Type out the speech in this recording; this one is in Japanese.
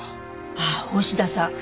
ああ大志田さん。